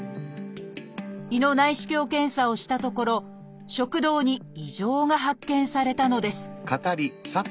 胃の内視鏡検査をしたところ食道に異常が発見されたのです